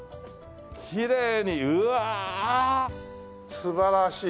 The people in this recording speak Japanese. きれいにうわあ！素晴らしい。